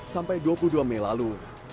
sampai dua puluh dua mei lalu